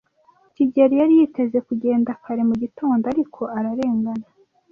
kigeli yari yiteze kugenda kare mu gitondo, ariko ararengana.